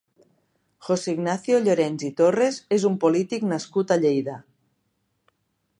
José Ignacio Llorens i Torres és un polític nascut a Lleida.